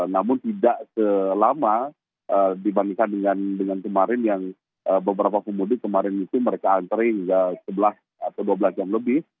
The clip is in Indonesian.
namun tidak selama dibandingkan dengan kemarin yang beberapa pemudik kemarin itu mereka antre hingga sebelas atau dua belas jam lebih